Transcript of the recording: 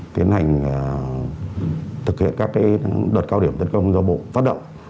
tiến hành thực hiện các đợt cao điểm tấn công do bộ phát động